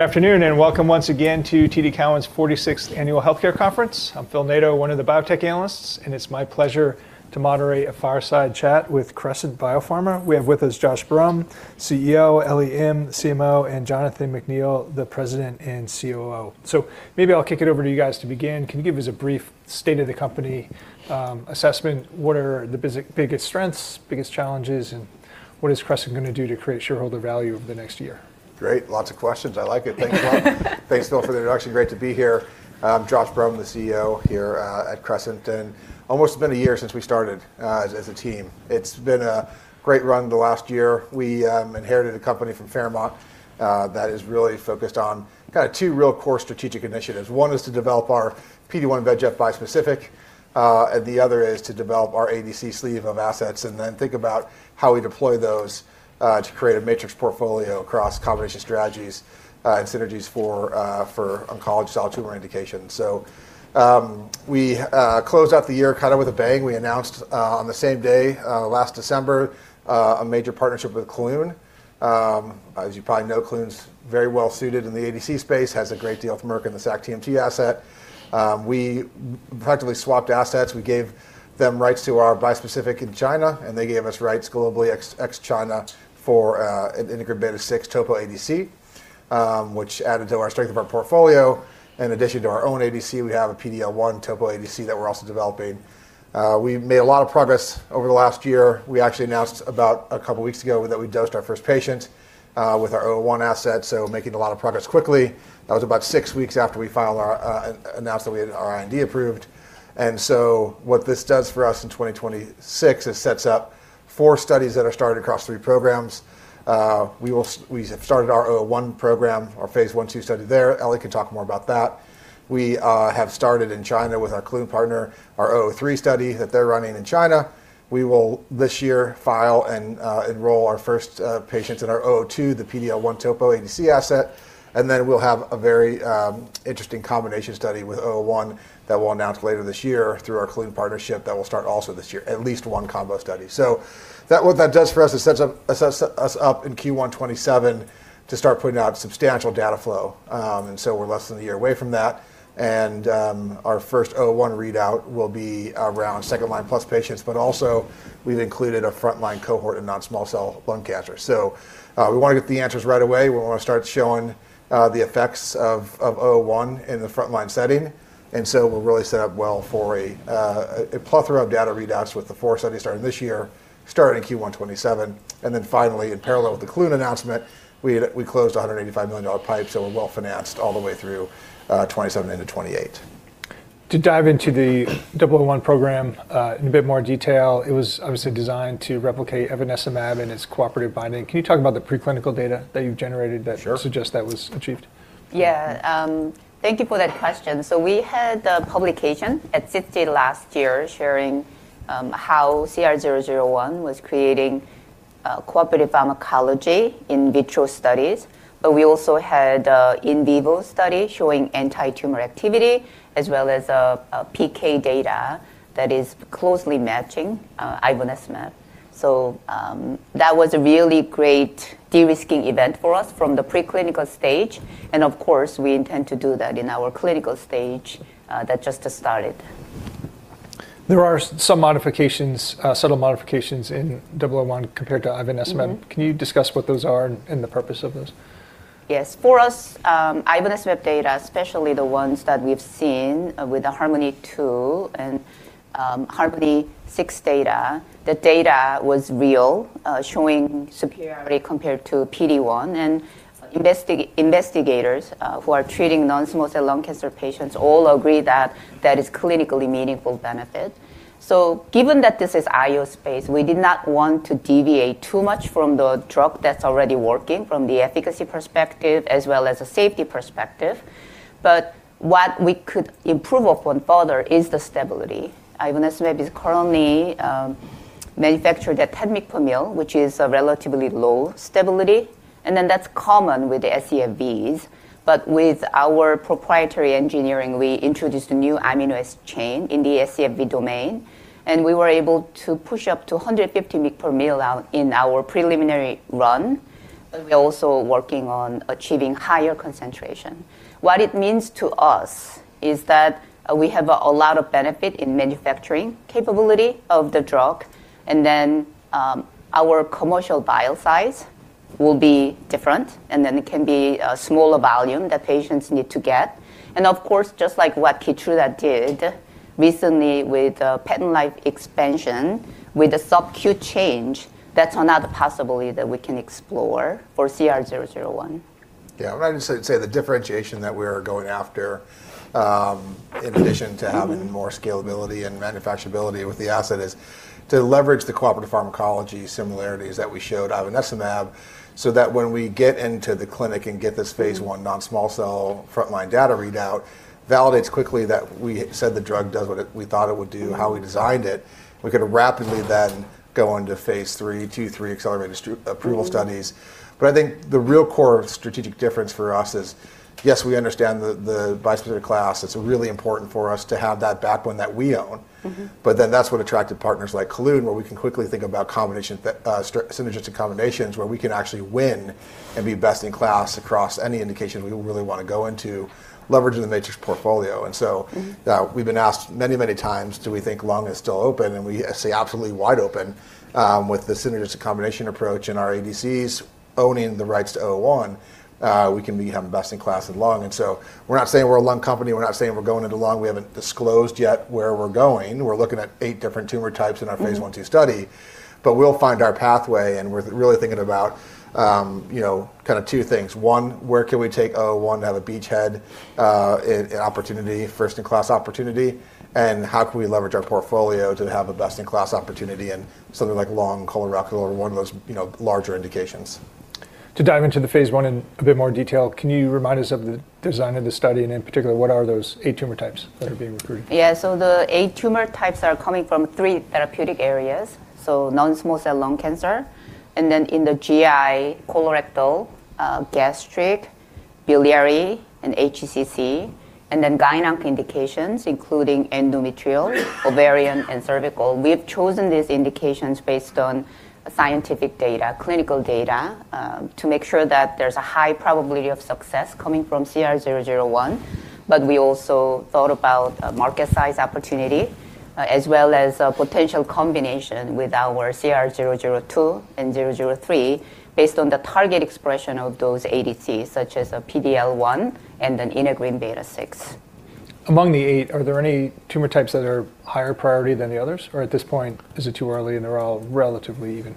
Afternoon, welcome once again to TD Cowen's 46th Annual Healthcare Conference. I'm Phil Nadeau, one of the biotech analysts, it's my pleasure to moderate a fireside chat with Crescent Biopharma. We have with us Joshua Brumm, CEO, Ellie Im, CMO, Jonathan McNeill, the President and COO. Maybe I'll kick it over to you guys to begin. Can you give us a brief state of the company, assessment? What are the biggest strengths, biggest challenges, and what is Crescent gonna do to create shareholder value over the next year? Great. Lots of questions. I like it. Thank you, Phil. Thanks, Phil, for the introduction. Great to be here. I'm Joshua Brumm, the CEO here, at Crescent, and almost been a year since we started as a team. It's been a great run the last year. We inherited a company from Fairmount that is really focused on two real core strategic initiatives. One is to develop our PD-1 x VEGF bispecific, and the other is to develop our ADC sleeve of assets and then think about how we deploy those to create a matrix portfolio across combination strategies and synergies for oncology solid tumor indications. We closed out the year with a bang. We announced on the same day last December a major partnership with Kelun-Biotech. As you probably know, Kelun's very well suited in the ADC space, has a great deal from Merck in the sac-TMT asset. We practically swapped assets. They gave us rights globally ex-China for an integrin beta-6 topo ADC, which added to our strength of our portfolio. In addition to our own ADC, we have a PD-L1 topo ADC that we're also developing. We've made a lot of progress over the last year. We actually announced about a couple weeks ago that we dosed our first patient with our CR-001 asset, so making a lot of progress quickly. That was about six weeks after we announced that we had our IND approved. What this does for us in 2026, it sets up four studies that are started across three programs. We have started our CR-001 program, our phase I/II study there. Ellie can talk more about that. We have started in China with our Kelun-Biotech partner, our CR-003 study that they're running in China. We will this year file and enroll our first patients in our CR-002, the PD-L1 topo ADC asset, and then we'll have a very interesting combination study with CR-001 that we'll announce later this year through our Kelun-Biotech partnership that will start also this year, at least one combo study. What that does for us, it sets us up in Q1 2027 to start putting out substantial data flow. We're less than a year away from that, and our first CR-001 readout will be around second-line plus patients, but also we've included a frontline cohort in non-small cell lung cancer. We wanna get the answers right away. We wanna start showing the effects of CR-001 in the frontline setting. We'll really set up well for a plethora of data readouts with the four studies starting this year, starting Q1 2027. Finally, in parallel with the Kelun announcement, we closed a $185 million PIPE. We're well-financed all the way through 2027 into 2028. To dive into the CR-001 program, in a bit more detail, it was obviously designed to replicate avelumab and its cooperative binding. Can you talk about the preclinical data that you've generated? Sure suggests that was achieved? Yeah. Thank you for that question. We had a publication at SITC last year sharing how CR-001 was creating cooperative pharmacology in vitro studies, but we also had in vivo study showing antitumor activity as well as PK data that is closely matching avelumab. That was a really great de-risking event for us from the preclinical stage, and of course, we intend to do that in our clinical stage that just started. There are some modifications, subtle modifications in CR-001 compared to avelumab. Mm-hmm. Can you discuss what those are and the purpose of those? For us, avelumab data, especially the ones that we've seen with the HARMONi-2 and HARMONi-6 data, the data was real, showing superiority compared to PD-1, and investigators who are treating non-small cell lung cancer patients all agree that that is clinically meaningful benefit. Given that this is IO space, we did not want to deviate too much from the drug that's already working from the efficacy perspective as well as a safety perspective, but what we could improve upon further is the stability. Avelumab is currently manufactured at 10 mg per ml, which is a relatively low stability. That's common with the scFvs. With our proprietary engineering, we introduced a new amino acid chain in the scFv domain, and we were able to push up to 150 mg per ml out in our preliminary run. We're also working on achieving higher concentration. What it means to us is that we have a lot of benefit in manufacturing capability of the drug. Our commercial vial size will be different. It can be a smaller volume that patients need to get. Of course, just like what Keytruda did recently with a patent life expansion with a SubQ change, that's another possibility that we can explore for CR-001. I'm gonna just say the differentiation that we're going after, in addition to having more scalability and manufacturability with the asset is to leverage the cooperative pharmacology similarities that we showed ivonescimab, so that when we get into the clinic and get this phase I non-small cell frontline data readout, validates quickly that we said the drug does we thought it would do, how we designed it. We could rapidly then go into phase III, 2/3 accelerated approval studies. I think the real core strategic difference for us is, yes, we understand the bispecific class. It's really important for us to have that backbone that we own. Mm-hmm. That's what attracted partners like Kelun-Biotech, where we can quickly think about combinations, synergistic combinations where we can actually win and be best in class across any indication we really wanna go into leveraging the Matrix portfolio. Mm-hmm We've been asked many times, do we think lung is still open? We say absolutely wide open, with the synergistic combination approach and our ADCs owning the rights to CR-001, we can have best in class in lung. We're not saying we're a lung company. We're not saying we're going into lung. We haven't disclosed yet where we're going. We're looking at eight different tumor types in our phase I / II study. We'll find our pathway and we're really thinking about, you know, kind of two things. One, where can we take CR-001 to have a beachhead, an opportunity, first in class opportunity, and how can we leverage our portfolio to have a best in class opportunity in something like lung, colorectal, or one of those, you know, larger indications. To dive into the phase I in a bit more detail, can you remind us of the design of the study, in particular, what are those eight tumor types that are being recruited? Yeah. The eight tumor types are coming from three therapeutic areas, non-small cell lung cancer, and then in the GI, colorectal, gastric, biliary, and HCC, and then gynecol indications, including endometrial, ovarian, and cervical. We've chosen these indications based on scientific data, clinical data, to make sure that there's a high probability of success coming from CR-001. We also thought about a market size opportunity, as well as a potential combination with our CR-002 and CR-003 based on the target expression of those ADCs, such as a PD-L1 and an integrin beta-6. Among the eight, are there any tumor types that are higher priority than the others, or at this point is it too early and they're all relatively even?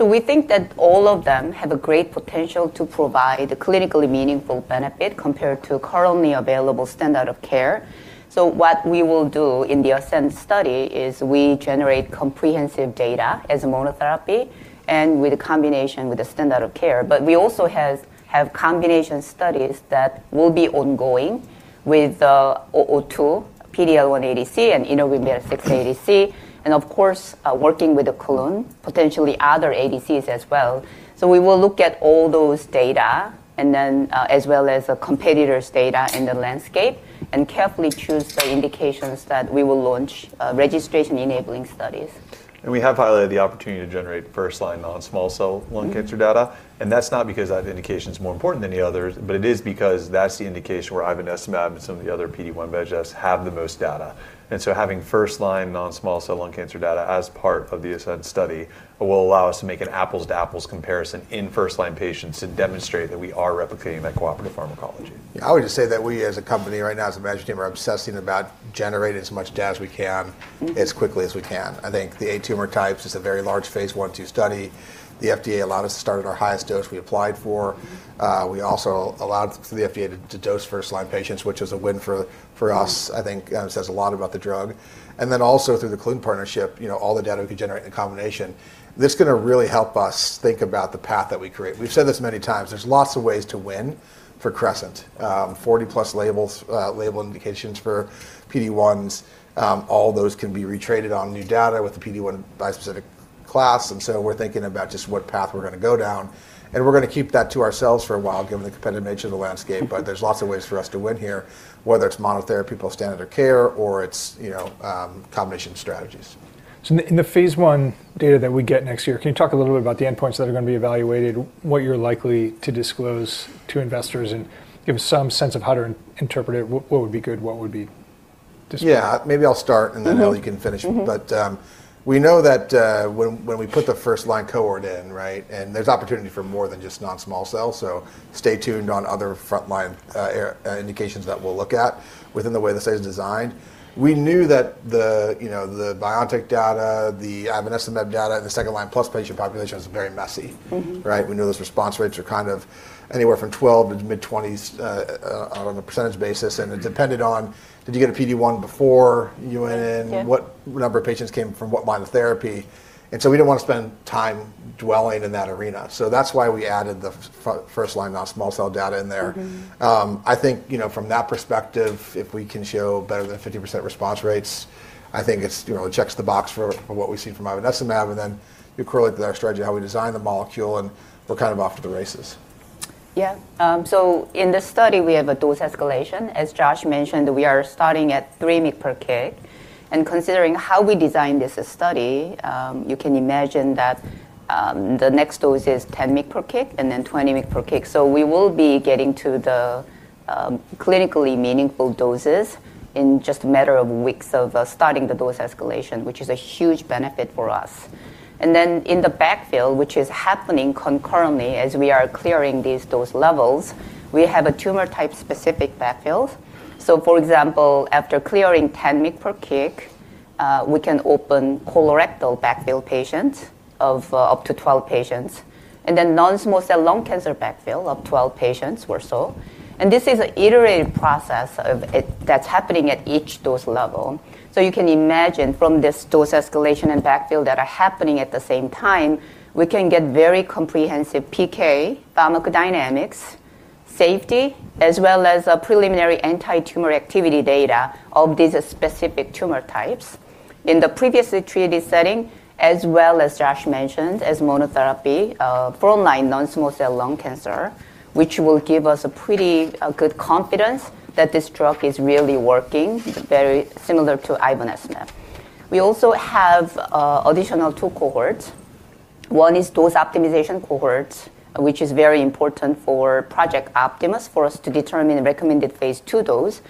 We think that all of them have a great potential to provide a clinically meaningful benefit compared to currently available standard of care. What we will do in the ASCEND study is we generate comprehensive data as a monotherapy and with a combination with the standard of care. We also have combination studies that will be ongoing with CR-002, PD-L1 ADC, and integrin beta-6 ADC, and of course, working with Kelun-Biotech, potentially other ADCs as well. We will look at all those data and then, as well as a competitor's data in the landscape and carefully choose the indications that we will launch registration enabling studies. We have highlighted the opportunity to generate first-line non-small cell lung cancer data, and that's not because that indication is more important than the others, but it is because that's the indication where ivonesimab and some of the other PD-1 x VEGF bispecific have the most data. Having first-line non-small cell lung cancer data as part of the ASCEND study will allow us to make an apples to apples comparison in first line patients to demonstrate that we are replicating that cooperative pharmacology. I would just say that we as a company right now, as a management team, are obsessing about generating as much data as we can as quickly as we can. I think the eight tumor types is a very large phase I, II study. The FDA allowed us to start at our highest dose we applied for. We also allowed the FDA to dose first line patients, which was a win for us. I think it says a lot about the drug. Also through the Kelun-Biotech partnership, you know, all the data we could generate in combination. This is gonna really help us think about the path that we create. We've said this many times, there's lots of ways to win for Crescent. 40+ labels, label indications for PD-1s. All those can be retraded on new data with the PD-1 x VEGF bispecific class. We're thinking about just what path we're gonna go down, and we're gonna keep that to ourselves for a while, given the competitive nature of the landscape. There's lots of ways for us to win here, whether it's monotherapy plus standard of care or it's, you know, combination strategies. In the phase I data that we get next year, can you talk a little bit about the endpoints that are going to be evaluated, what you're likely to disclose to investors, and give some sense of how to interpret it, what would be good, what would be disappointing? Yeah. Maybe I'll start, and then Ellie can finish. Mm-hmm. We know that when we put the first line cohort in, right, and there's opportunity for more than just non-small cell, so stay tuned on other frontline indications that we'll look at within the way the study is designed. We knew that the, you know, the biotech data, the ivonescimab data, and the second line plus patient population was very messy. Mm-hmm. Right? We know those response rates are kind of anywhere from 12 to mid-twenties, on a percentage basis, and it depended on did you get a PD-1 before you went in. Yeah what number of patients came from what monotherapy. We didn't want to spend time dwelling in that arena. That's why we added the first line non-small cell data in there. Mm-hmm. I think, you know, from that perspective, if we can show better than 50% response rates, I think it's, you know, it checks the box for what we see from ivonescimab, and then we correlate that strategy, how we design the molecule, and we're kind of off to the races. Yeah. In this study we have a dose escalation. As Josh mentioned, we are starting at 3 mg per kg. Considering how we designed this study, you can imagine that the next dose is 10 mg per kg and then 20 mg per kg. We will be getting to the clinically meaningful doses in just a matter of weeks of starting the dose escalation, which is a huge benefit for us. In the backfill, which is happening concurrently as we are clearing these dose levels, we have a tumor type specific backfill. For example, after clearing 10 mg per kg, we can open colorectal backfill patients up to 12 patients, and then non-small cell lung cancer backfill of 12 patients or so. This is an iterative process that's happening at each dose level. You can imagine from this dose escalation and backfill that are happening at the same time, we can get very comprehensive PK pharmacodynamics, safety, as well as preliminary antitumor activity data of these specific tumor types. In the previously treated setting, as well as Josh mentioned, as monotherapy, front line non-small cell lung cancer, which will give us a pretty good confidence that this drug is really working, very similar to ivonescimab. We also have additional two cohorts. One is dose optimization cohort, which is very important for Project Optimus for us to determine the recommended phase II dose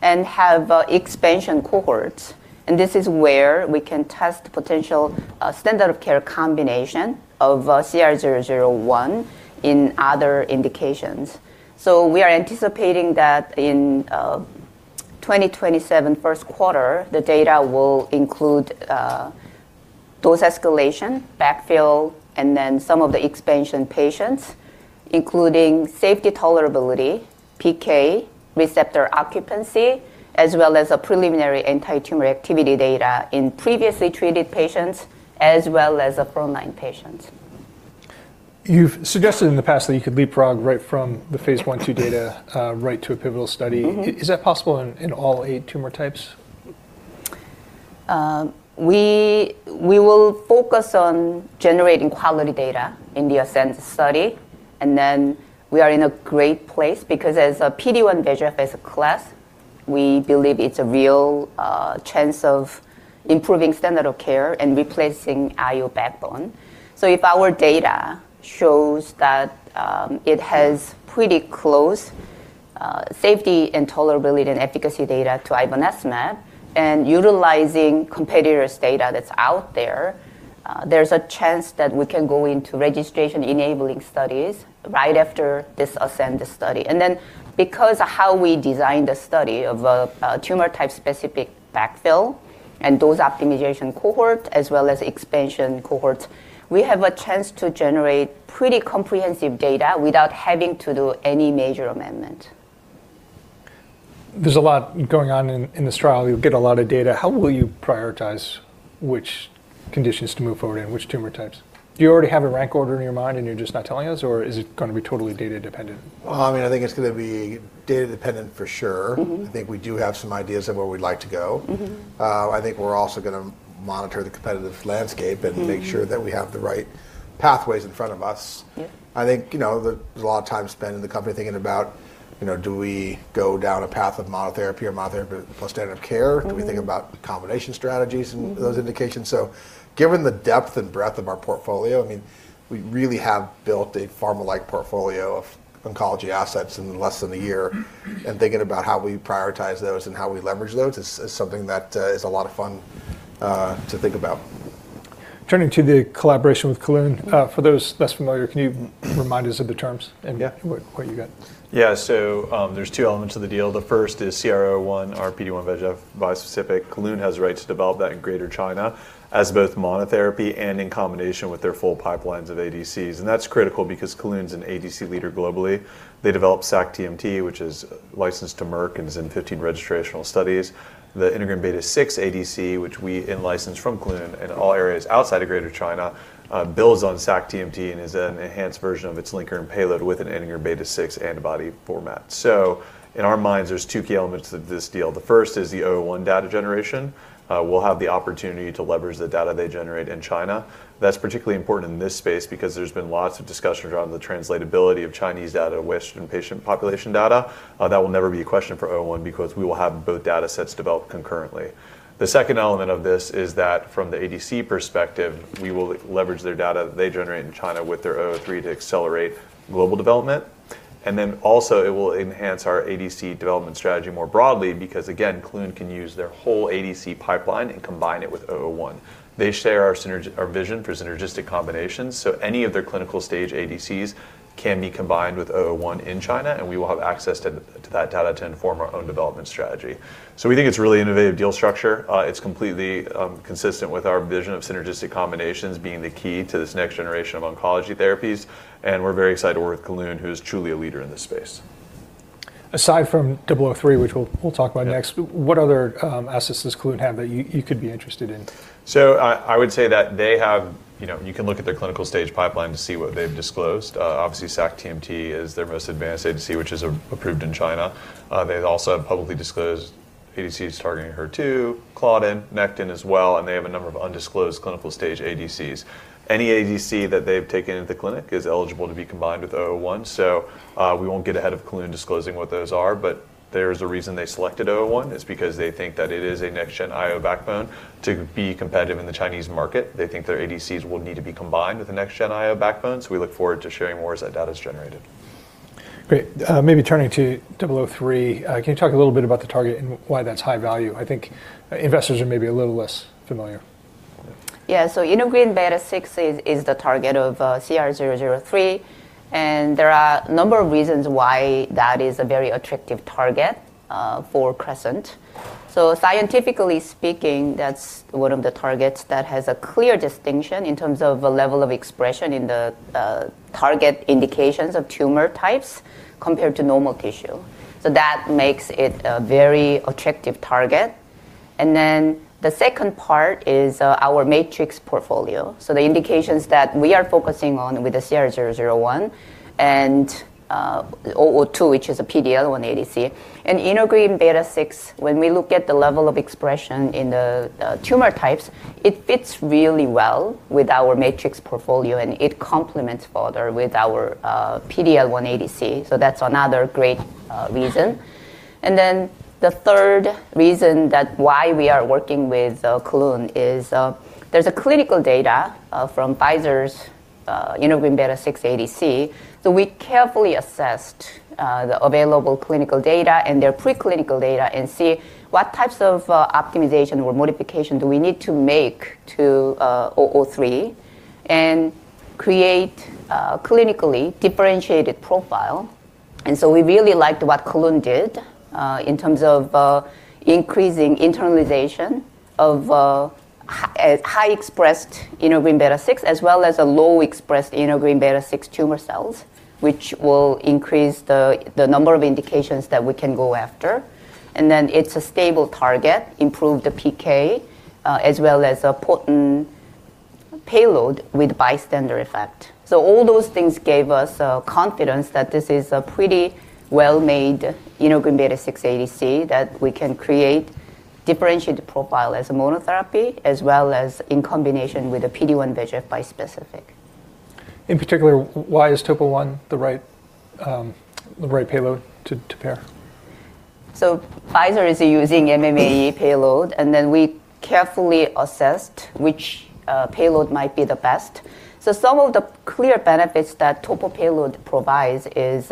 and have expansion cohorts. This is where we can test potential standard of care combination of CR-001 in other indications. We are anticipating that in 2027 first quarter, the data will include dose escalation, backfill, and then some of the expansion patients, including safety tolerability, PK, receptor occupancy, as well as a preliminary antitumor activity data in previously treated patients, as well as a front line patients. You've suggested in the past that you could leapfrog right from the phase I, II data, right to a pivotal study. Mm-hmm. Is that possible in all eight tumor types? We will focus on generating quality data in the ASCEND study. We are in a great place because as a PD-1 x VEGF as a class, we believe it's a real chance of improving standard of care and replacing IO backbone. If our data shows that it has pretty close safety and tolerability and efficacy data to ivonescimab, and utilizing competitors' data that's out there's a chance that we can go into registration-enabling studies right after this ASCEND study. Because of how we designed the study of a tumor type specific backfill and dose optimization cohort as well as expansion cohorts, we have a chance to generate pretty comprehensive data without having to do any major amendment. There's a lot going on in this trial. You'll get a lot of data. How will you prioritize which conditions to move forward in, which tumor types? Do you already have a rank order in your mind and you're just not telling us, or is it gonna be totally data dependent? Well, I mean, I think it's gonna be data dependent for sure. Mm-hmm. I think we do have some ideas of where we'd like to go. Mm-hmm. I think we're also gonna monitor the competitive landscape. Mm-hmm Make sure that we have the right pathways in front of us. Yeah. I think, you know, there's a lot of time spent in the company thinking about, you know, do we go down a path of monotherapy or monotherapy plus standard of care? Mm-hmm. Do we think about combination strategies? Mm-hmm Those indications? Given the depth and breadth of our portfolio, I mean, we really have built a pharma-like portfolio of oncology assets in less than a year. Thinking about how we prioritize those and how we leverage those is something that is a lot of fun to think about. Turning to the collaboration with Kelun-Biotech, for those less familiar, can you remind us of the terms and what you got? There's two elements of the deal. The first is CR-001, our PD-1 x VEGF bispecific Kelun-Biotech has the right to develop that in Greater China as both monotherapy and in combination with their full pipelines of ADCs. That's critical because Kelun-Biotech's an ADC leader globally. They developed sac-TMT, which is licensed to Merck and is in 15 registrational studies. The integrin beta-6 ADC, which we in-licensed from Kelun-Biotech in all areas outside of Greater China, builds on sac-TMT and is an enhanced version of its linker and payload with an integrin beta-6 antibody format. In our minds, there's two key elements of this deal. The first is the CR-001 data generation. We'll have the opportunity to leverage the data they generate in China. That's particularly important in this space because there's been lots of discussion around the translatability of Chinese data, Western patient population data. That will never be a question for CR-001 because we will have both data sets developed concurrently. It will enhance our ADC development strategy more broadly because again, Kelun-Biotech can use their whole ADC pipeline and combine it with CR-001. They share our vision for synergistic combinations, so any of their clinical stage ADCs can be combined with CR-001 in China, and we will have access to that data to inform our own development strategy. We think it's a really innovative deal structure. It's completely consistent with our vision of synergistic combinations being the key to this next generation of oncology therapies. We're very excited to work with Kelun-Biotech, who is truly a leader in this space. Aside from CR-003, which we'll talk about next. Yeah What other assets does Kelun-Biotech have that you could be interested in? I would say that they have... You know, you can look at their clinical stage pipeline to see what they've disclosed. Obviously sac-TMT is their most advanced ADC, which is approved in China. They've also publicly disclosed ADCs targeting HER2, claudin, nectin as well, and they have a number of undisclosed clinical stage ADCs. Any ADC that they've taken into the clinic is eligible to be combined with CR-001. We won't get ahead of Kelun disclosing what those are, but there's a reason they selected CR-001. It's because they think that it is a next gen IO backbone to be competitive in the Chinese market. They think their ADCs will need to be combined with the next gen IO backbone. We look forward to sharing more as that data is generated. Great. Maybe turning to CR-003, can you talk a little bit about the target and why that's high value? I think investors are maybe a little less familiar. Integrin beta-6 is the target of CR-003, and there are a number of reasons why that is a very attractive target for Crescent. Scientifically speaking, that's one of the targets that has a clear distinction in terms of the level of expression in the target indications of tumor types compared to normal tissue. That makes it a very attractive target. The second part is our Matrix portfolio. The indications that we are focusing on with the CR-001 and 002, which is a PD-L1 ADC. Integrin beta-6, when we look at the level of expression in the tumor types, it fits really well with our Matrix portfolio, and it complements further with our PD-L1 ADC. That's another great reason. The third reason that why we are working with Kelun-Biotech is there's a clinical data from Pfizer's integrin beta-6 ADC. We carefully assessed the available clinical data and their preclinical data and see what types of optimization or modification do we need to make to CR-003 and create a clinically differentiated profile. We really liked what Kelun-Biotech did in terms of increasing internalization of a high expressed integrin beta-6 as well as a low expressed integrin beta-6 tumor cells, which will increase the number of indications that we can go after. It's a stable target, improve the PK, as well as a potent payload with bystander effect. All those things gave us confidence that this is a pretty well made integrin beta-6 ADC, that we can create differentiated profile as a monotherapy as well as in combination with a PD-1 x VEGF bispecific. In particular, why is Topo 1 the right payload to pair? Pfizer is using MMAE payload. We carefully assessed which payload might be the best. Some of the clear benefits that topo payload provides is,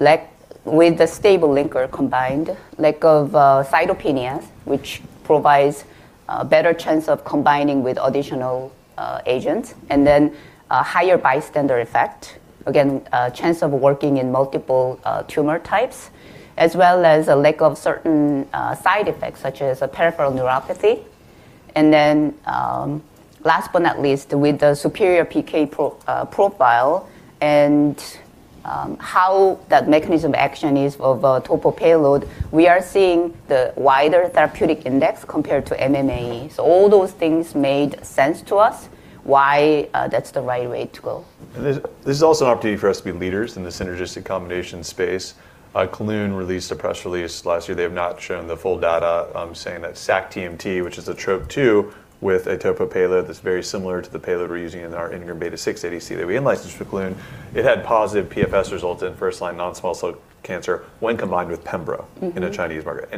like with the stable linker combined, lack of cytopenias, which provides a better chance of combining with additional agents and then a higher Bystander effect. Again, a chance of working in multiple tumor types, as well as a lack of certain side effects such as a peripheral neuropathy. Last but not least, with the superior PK profile and how that mechanism action is of a topo payload, we are seeing the wider therapeutic index compared to MMAE. All those things made sense to us why that's the right way to go. This is also an opportunity for us to be leaders in the synergistic combination space. Kelun-Biotech released a press release last year, they have not shown the full data, saying that sac-TMT, which is a Trop-2 with a topo payload that's very similar to the payload we're using in our integrin beta-6 ADC that we in-licensed with Kelun-Biotech. It had positive PFS results in first-line non-small cell cancer when combined with pembrolizumab-. Mm-hmm... in a Chinese market.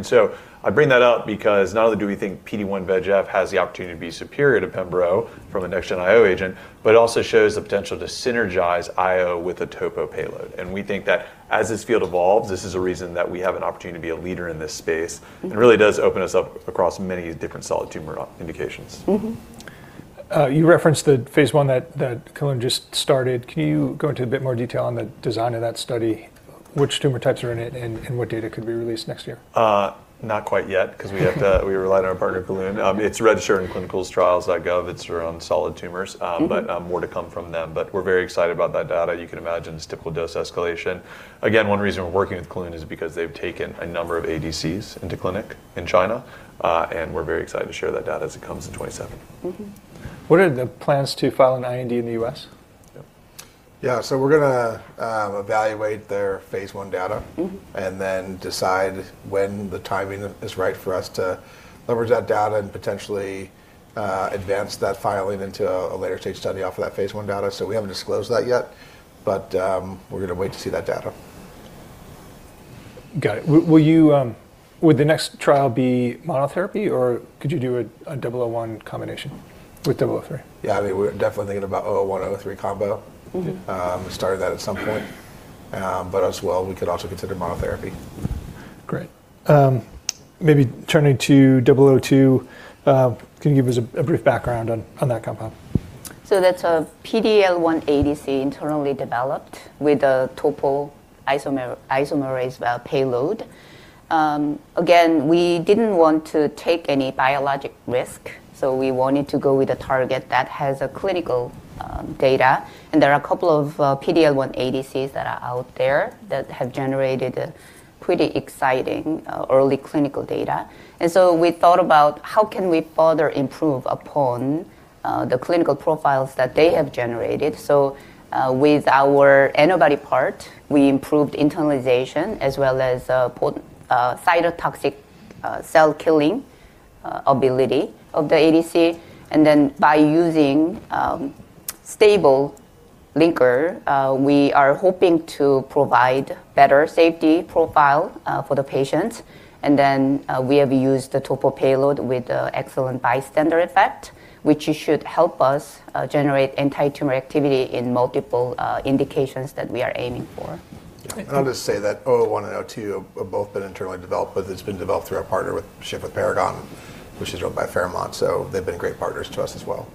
I bring that up because not only do we think PD-1/VEGF has the opportunity to be superior to pembrolizumab from a next-gen IO agent, but also shows the potential to synergize IO with a topo payload. We think that as this field evolves, this is a reason that we have an opportunity to be a leader in this space. Mm-hmm. It really does open us up across many different solid tumor indications. Mm-hmm. You referenced the phase I that Kelun just started. Can you go into a bit more detail on the design of that study? Which tumor types are in it, and what data could be released next year? Not quite yet. We rely on our partner, Kelun. It's registered in ClinicalTrials.gov. It's around solid tumors. Mm-hmm. More to come from them. We're very excited about that data. You can imagine the typical dose escalation. Again, one reason we're working with Kelun is because they've taken a number of ADCs into clinic in China, and we're very excited to share that data as it comes in 2027. Mm-hmm. What are the plans to file an IND in the U.S.? Yeah. we're gonna evaluate their phase I data. Mm-hmm Then decide when the timing is right for us to leverage that data and potentially advance that filing into a later stage study off of that phase I data. We haven't disclosed that yet, but we're gonna wait to see that data. Got it. Will you, would the next trial be monotherapy, or could you do a CR-001 combination with CR-003? Yeah, I mean, we're definitely thinking about oh one oh three combo. Mm-hmm. Start that at some point. As well, we could also consider monotherapy. Great. Maybe turning to CR-002, can you give us a brief background on that compound? That's a PD-L1 ADC internally developed with a topoisomerase payload. Again, we didn't want to take any biologic risk, we wanted to go with a target that has a clinical data. There are a couple of PD-L1 ADCs that are out there that have generated a pretty exciting early clinical data. We thought about how can we further improve upon the clinical profiles that they have generated. With our antibody part, we improved internalization as well as potent cytotoxic cell killing ability of the ADC. By using stable linker, we are hoping to provide better safety profile for the patients. We have used the topo payload with the excellent bystander effect, which should help us generate antitumor activity in multiple indications that we are aiming for. Yeah. I'll just say that CR-001 and CR-002 have both been internally developed. It's been developed through our partner with shift with Paragon, which is run by Fairmount. They've been great partners to us as well.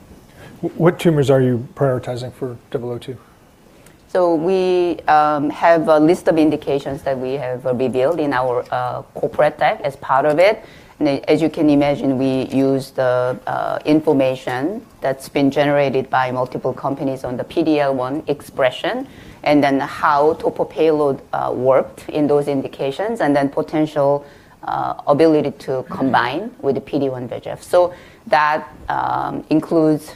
What tumors are you prioritizing for CR-002? We have a list of indications that we have, we built in our corporate tech as part of it. As you can imagine, we use the information that's been generated by multiple companies on the PD-L1 expression, and then how topical payload worked in those indications, and then potential ability to combine... Mm-hmm... with the PD-1 x VEGF. That includes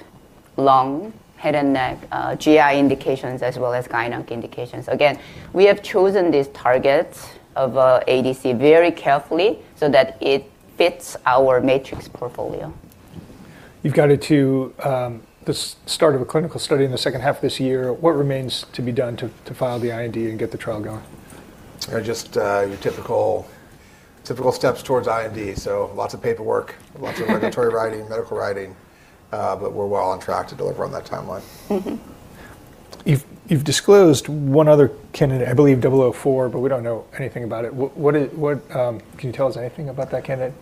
lung, head and neck, GI indications, as well as gyn-onc indications. Again, we have chosen these targets of ADC very carefully so that it fits our Matrix portfolio. You've got it to the start of a clinical study in the second half of this year. What remains to be done to file the IND and get the trial going? Just your typical steps towards IND. Lots of regulatory writing, medical writing. We're well on track to deliver on that timeline. Mm-hmm. You've disclosed one other candidate, I believe, CR-004, but we don't know anything about it. What can you tell us anything about that candidate?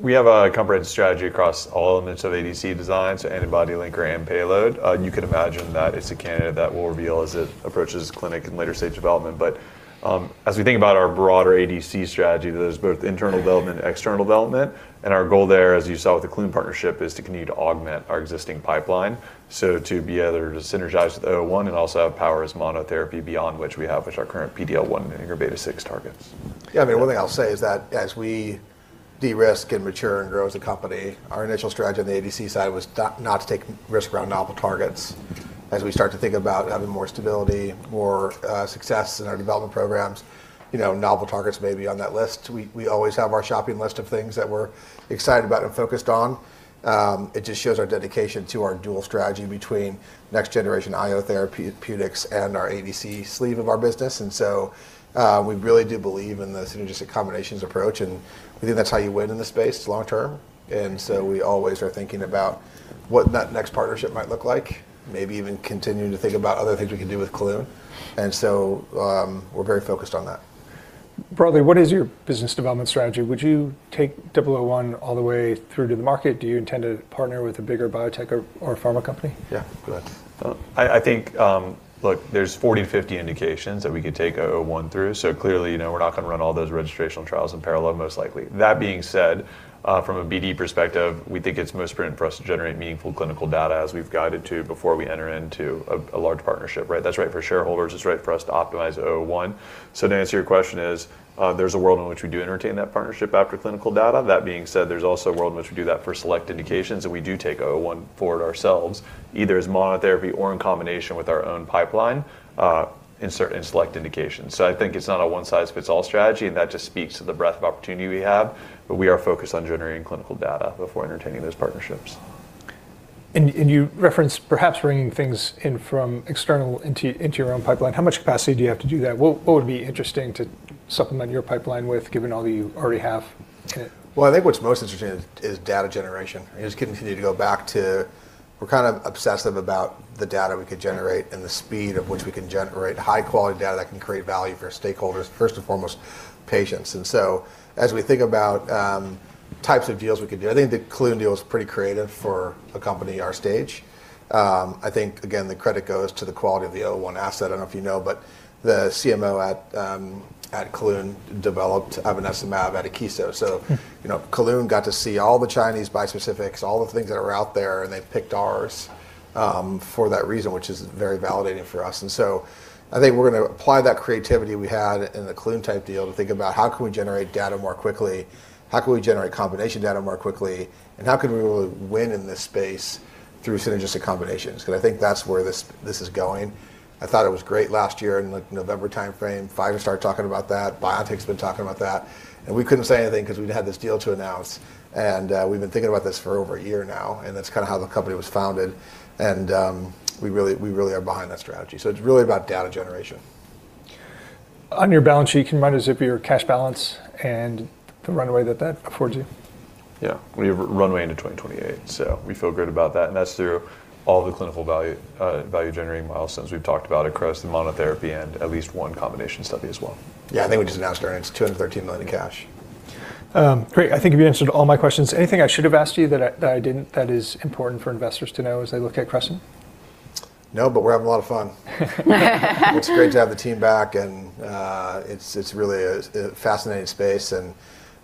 We have a comprehensive strategy across all elements of ADC design, so antibody, linker, and payload. You can imagine that it's a candidate that we'll reveal as it approaches clinic and later-stage development. As we think about our broader ADC strategy, there's both internal development and external development, and our goal there, as you saw with the Kelun partnership, is to continue to augment our existing pipeline, so to be either to synergize with 001 and also have power as monotherapy beyond which we have with our current PD-L1 and ntegrin-6 targets. Yeah, I mean, one thing I'll say is that as we de-risk and mature and grow as a company, our initial strategy on the ADC side was not to take risk around novel targets. As we start to think about having more stability, more success in our development programs, you know, novel targets may be on that list. We always have our shopping list of things that we're excited about and focused on. It just shows our dedication to our dual strategy between next generation IO therapeutics and our ADC sleeve of our business. We really do believe in the synergistic combinations approach, and we think that's how you win in this space long term. We always are thinking about what that next partnership might look like, maybe even continuing to think about other things we can do with Kelun-Biotech. We're very focused on that. Broadly, what is your business development strategy? Would you take 001 all the way through to the market? Do you intend to partner with a bigger biotech or pharma company? Yeah, go ahead. I think, look, there's 40, 50 indications that we could take CR-001 through. Clearly, you know, we're not gonna run all those registrational trials in parallel most likely. That being said, from a BD perspective, we think it's most important for us to generate meaningful clinical data as we've guided to before we enter into a large partnership, right? That's right for shareholders, it's right for us to optimize CR-001. The answer to your question is, there's a world in which we do entertain that partnership after clinical data. That being said, there's also a world in which we do that for select indications, and we do takeCR-001 forward ourselves, either as monotherapy or in combination with our own pipeline in select indications. I think it's not a one-size-fits-all strategy, and that just speaks to the breadth of opportunity we have, but we are focused on generating clinical data before entertaining those partnerships. You referenced perhaps bringing things in from external into your own pipeline. How much capacity do you have to do that? What, what would be interesting to supplement your pipeline with given all that you already have? Well, I think what's most interesting is data generation. I just continue to go back to we're kind of obsessive about the data we could generate and the speed at which we can generate high-quality data that can create value for stakeholders, first and foremost, patients. As we think about types of deals we could do, I think the Kelun-Biotech deal is pretty creative for a company our stage. I think again, the credit goes to the quality of the CR-001 asset. I don't know if you know, but the CMO at Kelun-Biotech developed ivonesimab at Akeso. Hmm You know, Kelun-Biotech got to see all the Chinese bispecifics, all the things that are out there, and they picked ours, for that reason, which is very validating for us. I think we're gonna apply that creativity we had in the Kelun-Biotech-type deal to think about how can we generate data more quickly, how can we generate combination data more quickly, and how can we win in this space through synergistic combinations? I think that's where this is going. I thought it was great last year in the November timeframe, Pfizer started talking about that. Biotech's been talking about that. We couldn't say anything because we'd had this deal to announce, and we've been thinking about this for over a year now, and that's kinda how the company was founded. We really are behind that strategy. It's really about data generation. On your balance sheet, can you remind us, Zip, of your cash balance and the runway that that affords you? Yeah. We have runway into 2028. We feel good about that. That's through all the clinical value-generating milestones we've talked about across the monotherapy and at least one combination study as well. Yeah, I think we just announced earnings, $213 million in cash. Great. I think you've answered all my questions. Anything I should have asked you that I didn't that is important for investors to know as they look at Crescent? No, we're having a lot of fun. It's great to have the team back. It's really a fascinating space and,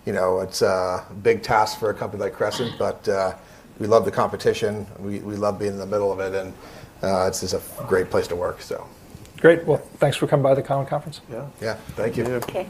you know, it's a big task for a company like Crescent. We love the competition. We love being in the middle of it. It's just a great place to work, so... Great. Well, thanks for coming by the Cowen conference. Yeah. Yeah. Thank you. Okay.